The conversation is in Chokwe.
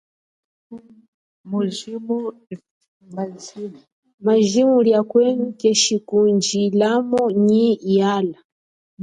Mujimo lia kwenu keshikundjilamo nyi yala.